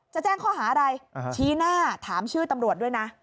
จะแจ้งข้อหาอะไรชี้หน้าถามชื่อตำรวจด้วยนะ